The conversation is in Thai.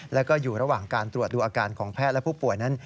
แล้วก็อยู่ระหว่างการตรวจดูอาการของแพทย์และผู้ป่วยนั้น